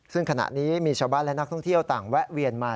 ซึ่งขณะนี้มีชาวบ้านและนักท่องเที่ยวต่างแวะเวียนมา